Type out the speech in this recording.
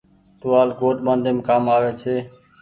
ٽووآل ڳوڏ ٻآڍيم ڪآم آوي ڇي۔